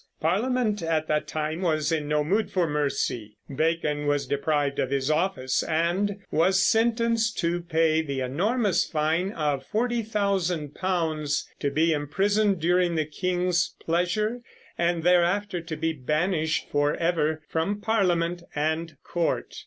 Parliament at that time was in no mood for mercy. Bacon was deprived of his office and was sentenced to pay the enormous fine of 40,000 pounds, to be imprisoned during the king's pleasure, and thereafter to be banished forever from Parliament and court.